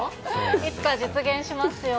いつか実現しますように。